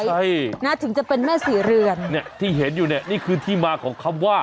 ใช่นะถึงจะเป็นแม่ศรีเรือนเนี่ยที่เห็นอยู่เนี่ยนี่คือที่มาของคำว่า